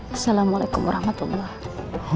assalamualaikum warahmatullahi wabarakatuh